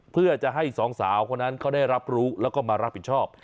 เพื่อจะให้สองสาวคนนั้นเขาได้รับรู้แล้วก็มารับผิดชอบ